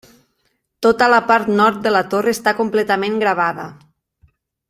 Tota la part nord de la torre està completament gravada.